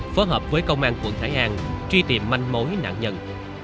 phối hợp với công an quận hải an truy tìm manh mối nạn nhân